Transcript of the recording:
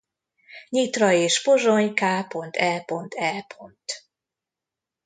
Nyitra és Pozsony k.e.e.